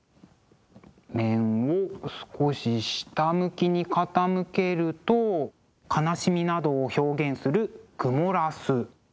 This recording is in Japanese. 面を少し下向きに傾けると悲しみなどを表現するクモラス。